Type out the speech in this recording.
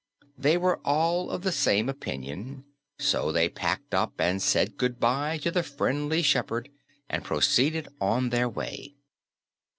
They were all of the same opinion, so they packed up and said goodbye to the friendly shepherd and proceeded on their way.